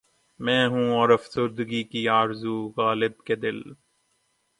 میں ہوں اور افسردگی کی آرزو غالبؔ کہ دل